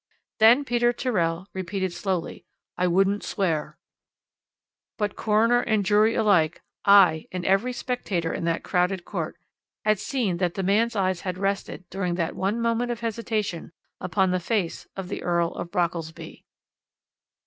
"Then Peter Tyrrell repeated slowly: 'I wouldn't swear.' "But coroner and jury alike, aye, and every spectator in that crowded court, had seen that the man's eyes had rested during that one moment of hesitation upon the face of the Earl of Brockelsby."